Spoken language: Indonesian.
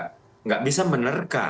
kami benar benar menerka